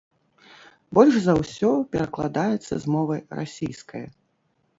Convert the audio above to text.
Больш за ўсё перакладаецца з мовы расійскае.